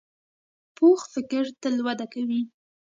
پوخ فکر تل وده کوي